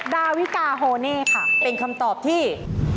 ดาวิกาโฮเน่ค่ะเป็นคำตอบที่